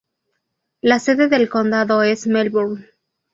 La sede del condado es Melbourne.